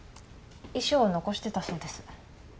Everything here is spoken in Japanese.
遺書を残してたそうです。